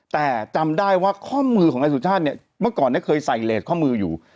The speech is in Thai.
แต่จำได้ว่าข้อมือของนายสุชาติเนี่ยเมื่อก่อนเนี่ยเคยใส่เลสข้อมืออยู่